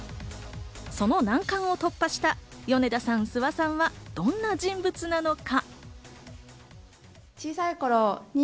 その難関を突破した米田さん、諏訪さんはどんな人物なのか？